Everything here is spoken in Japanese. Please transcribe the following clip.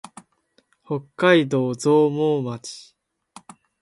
北海道増毛町